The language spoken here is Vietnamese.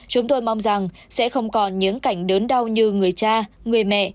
chúng tôi mong rằng sẽ không còn những cảnh đớn đau như người cha người mẹ